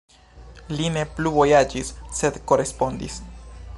Li ne plu vojaĝis, sed korespondis.“.